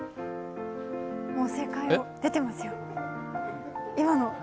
もう正解が出てますよ、今の。